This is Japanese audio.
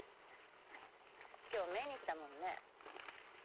今日命日だもんね。